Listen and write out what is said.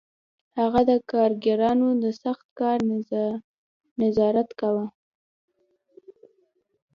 هغه د کارګرانو د سخت کار نظارت کاوه